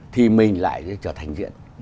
thì mình lại trở thành diễn